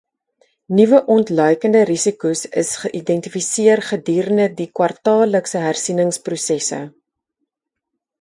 Nuwe ontluikende risiko's is geïdentifiseer gedurende die kwartaallikse hersieningsprosesse.